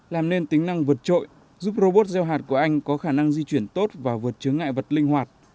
làm nên tính năng vượt trội giúp robot gieo hạt của anh có khả năng di chuyển tốt và vượt chứa ngại vật linh hoạt